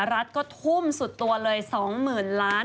รัฐก็ทุ่มสุดตัวเลย๒๐๐๐ล้าน